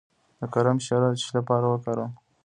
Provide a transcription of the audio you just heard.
د کرم شیره د څه لپاره وکاروم؟